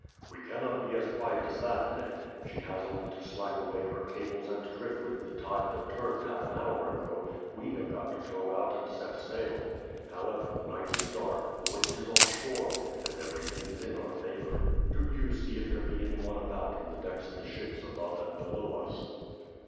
"We cannot be as quiet as that, Ned. She has only to slack away her cables and drift with the tide that turned half an hour ago, we have got to tow out and set sail. However, the night is dark, the wind is off shore, and everything is in our favour. Do you see if there be anyone about on the decks of the ships above and below us."